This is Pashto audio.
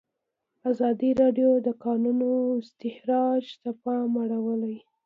ازادي راډیو د د کانونو استخراج ته پام اړولی.